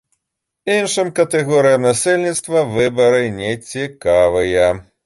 Іншым катэгорыям насельніцтва выбары не цікавыя.